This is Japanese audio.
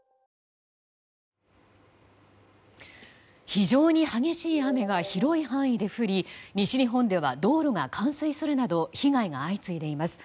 非常に激しい雨が広い範囲で降り西日本では道路が冠水するなど被害が相次いでいます。